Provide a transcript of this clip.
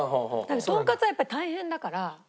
とんかつはやっぱり大変だから。